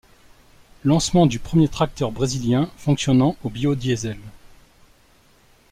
Lancement du premier tracteur brésilien fonctionnant au biodiesel.